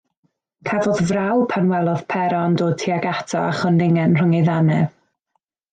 Cafodd fraw pan welodd Pero yn dod tuag ato a chwningen rhwng ei ddannedd.